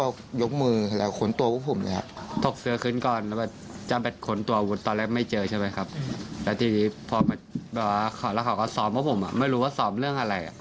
เขาก็สอบว่าผมไม่รู้ว่าสอบเรื่องอะไร